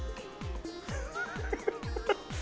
フフフ。